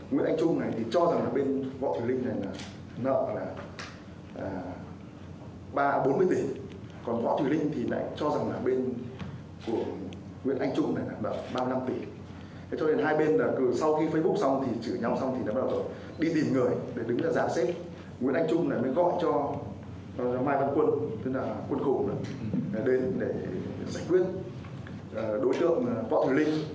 nguyễn anh trung bảo ba mươi năm tỷ